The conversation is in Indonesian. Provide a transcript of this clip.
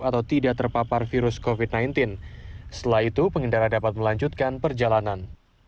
atau tidak terpapar virus covid sembilan belas setelah itu pengendara dapat melanjutkan perjalanan